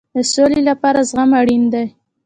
د سولې لپاره زغم اړین دی